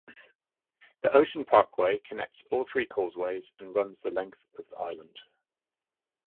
The Ocean Parkway connects all three causeways and runs the length of the island.